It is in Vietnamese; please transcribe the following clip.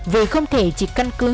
vì không thể chỉ căn cứ